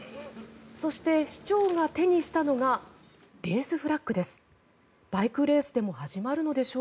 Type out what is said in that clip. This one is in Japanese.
そして、市長が手にしたのがレースフラッグです。